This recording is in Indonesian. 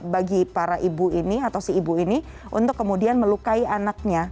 bagi para ibu ini atau si ibu ini untuk kemudian melukai anaknya